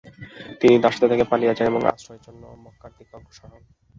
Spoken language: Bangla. তিনি দাসত্ব থেকে পালিয়ে যান এবং আশ্রয়ের জন্য মক্কার দিকে অগ্রসর হন।